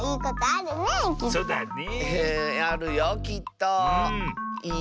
あるよきっといい。